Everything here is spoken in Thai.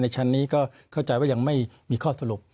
ชั้นนี้ก็เข้าใจว่ายังไม่มีข้อสรุป